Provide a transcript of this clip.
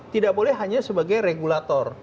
tidak boleh hanya sebagai regulator